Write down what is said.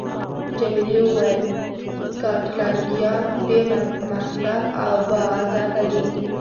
جميلې وويل: سکاټلنډیان ډېر مهذب او با عزته دي.